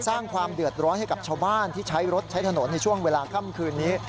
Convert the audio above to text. สร้างความเดือดร้อนให้กับชาวบ้านที่ใช้รถใช้ถนนในช่วงเวลาค่ำคืนนี้